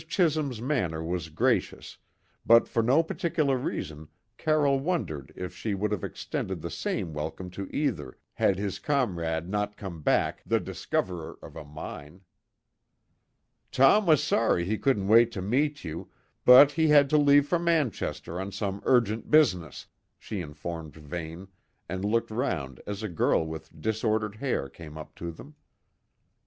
Chisholm's manner was gracious; but for no particular reason Carroll wondered if she would have extended the same welcome to either, had his comrade not come back the discoverer of a mine. "Tom was sorry he couldn't wait to meet you, but he had to leave for Manchester on some urgent business," she informed Vane, and looked round as a girl with disordered hair came up to them.